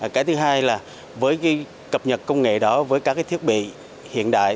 cái thứ hai là với cái cập nhật công nghệ đó với các cái thiết bị hiện đại